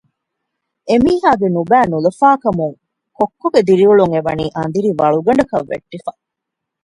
އެމީހާގެ ނުބައި ނުލަފާކަމުން ކޮއްކޮގެ ދިރިއުޅުން އެވަނީ އަނދިރި ވަޅުގަނޑަކަށް ވެއްޓިފަ